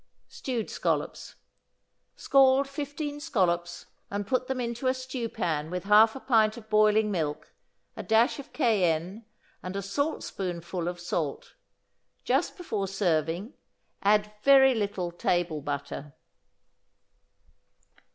=Stewed Scallops.= Scald fifteen scallops, and put them into a stewpan with half a pint of boiling milk, a dash of cayenne, and a saltspoonful of salt. Just before serving, add very little table butter.